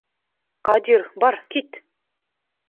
Ҡадир, бар, кит!